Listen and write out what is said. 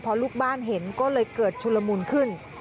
พอลูกบ้านเห็นก็เลยเกิดชุลมุนขึ้น